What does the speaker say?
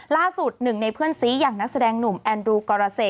ล่าสุดหนึ่งในเพื่อนซีอย่างนักแสดงหนุ่มแอนดรูกรเซ